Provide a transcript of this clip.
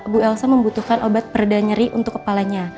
bu elsa membutuhkan obat perda nyeri untuk kepalanya